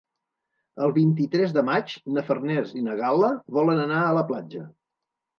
El vint-i-tres de maig na Farners i na Gal·la volen anar a la platja.